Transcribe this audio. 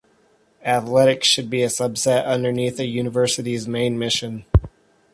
Athletics should be a subset underneath a university's main mission...